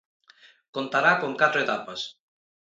Contará con catro etapas.